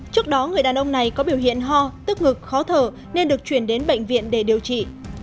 trước đó người đàn ông này có biểu hiện ho tức ngực khó thở nên được chuyển đến bệnh viện để điều trị